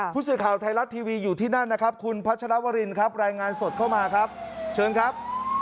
ผู้สื่อข่าวไทยรัฐทีวีอยู่ที่นั่นนะครับคุณพัชรวรินครับรายงานสดเข้ามาครับเชิญครับ